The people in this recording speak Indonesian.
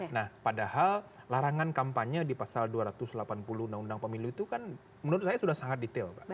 nah padahal larangan kampanye di pasal dua ratus delapan puluh undang undang pemilu itu kan menurut saya sudah sangat detail